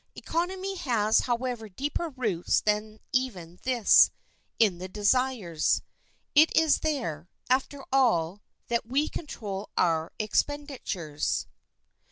Economy has, however, deeper roots than even this—in the desires. It is there, after all, that we control our expenditures.